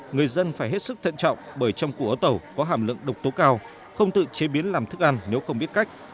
người dân phải hết sức thận trọng bởi trong củ ấu tẩu có hàm lượng độc tố cao không tự chế biến làm thức ăn nếu không biết cách